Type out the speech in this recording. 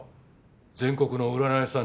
全国の占い師さん